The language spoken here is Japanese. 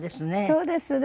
そうですね。